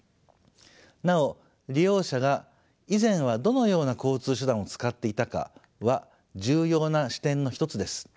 なお利用者が以前はどのような交通手段を使っていたかは重要な視点の一つです。